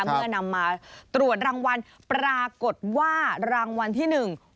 เมื่อนำมาตรวจรางวัลปรากฏว่ารางวัลที่หนึ่ง